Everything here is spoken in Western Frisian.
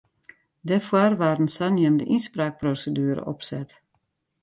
Dêrfoar waard in saneamde ynspraakproseduere opset.